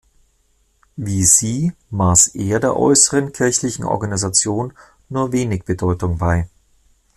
Wie sie maß er der äußeren kirchlichen Organisation nur wenig Bedeutung bei.